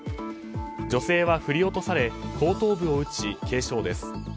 女性は振り落とされ後頭部を打ち、軽傷です。